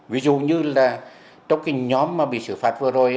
ví dụ như là trong cái nhóm mà bị xử phạt vừa rồi